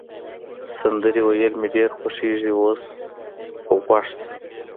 سندرې ویل مي ډېر خوښیږي، اوس غوږ شه.